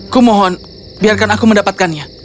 kumohon biarkan aku mendapatkannya